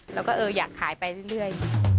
แล้วก็อยากขายไปเรื่อย